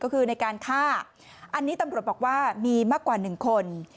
ก็คือในการฆ่าอันนี้ตำรวจบอกว่ามีมากกว่า๑คน